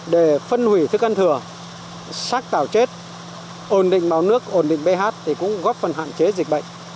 để phân hủy thức ăn thừa sát tào chết ổn định máu nước ổn định ph thì cũng góp phần hạn chế dịch bệnh